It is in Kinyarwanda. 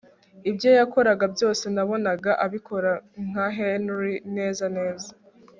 ibyo yakoraga byose nabonaga abikora nka Henry neza neza